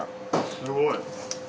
すごい。